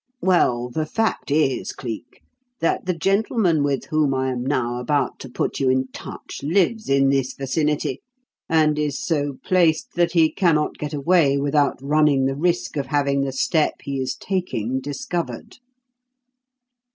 Well, the fact is, Cleek, that the gentleman with whom I am now about to put you in touch lives in this vicinity, and is so placed that he cannot get away without running the risk of having the step he is taking discovered."